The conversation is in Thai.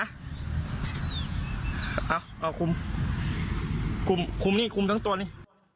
เอ้าเอาคุมคุมนี่คุมทั้งตัวนี่